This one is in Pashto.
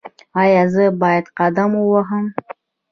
ایا زه باید قدم ووهم؟